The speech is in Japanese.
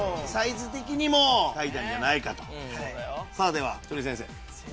ではひとり先生。